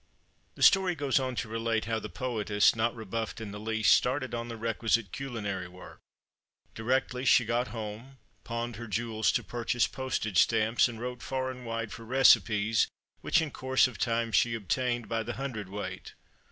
The story goes on to relate how the poetess, not rebuffed in the least, started on the requisite culinary work, directly she got home; pawned her jewels to purchase postage stamps, and wrote far and wide for recipes, which in course of time she obtained, by the hundredweight.